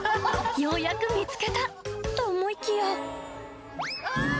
ようやく見つけたと思いきや。